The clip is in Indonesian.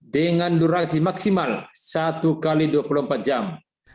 dengan durasi maksimal satu x dua puluh empat jam